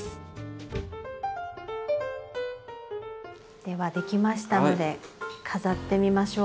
では出来ましたので飾ってみましょう。